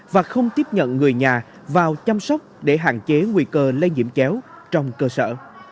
và không tiếp nhận người nhà vào chăm sóc để hạn chế nguy cơ lây nhiễm chéo trong cơ sở